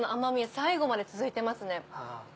最後まで続いてますね。